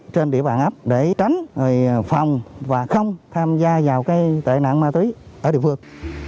trên địa bàn ấp để tránh phòng và không tham gia vào tệ nạn ma túy ở địa phương